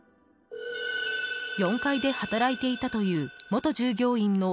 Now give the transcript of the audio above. ４階で働いていたという元従業員の